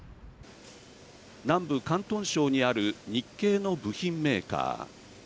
南部・広東省にある日系の部品メーカー。